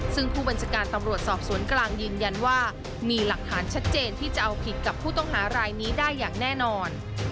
ซึ่งผู้บัญชาการตำรวจสอบสวนกลางยืนยันว่ามีหลักฐานชัดเจนที่จะเอาผิดกับผู้ต้องหารายนี้ได้อย่างแน่นอน